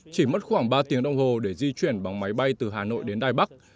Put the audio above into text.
chỉ mất khoảng ba tiếng đồng hồ để di chuyển bằng máy bay từ hà nội đến đài bắc